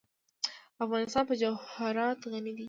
افغانستان په جواهرات غني دی.